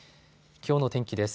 きょうの天気です。